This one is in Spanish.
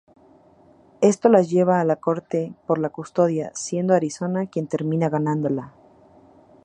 Esto las lleva a la corte por la custodia, siendo Arizona quien termina ganándola.